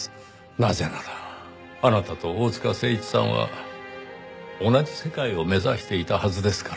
なぜならあなたと大塚誠一さんは同じ世界を目指していたはずですから。